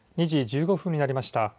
２時１５分になりました。